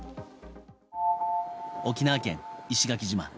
沖縄県石垣島。